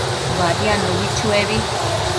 Badiadnubi chuebi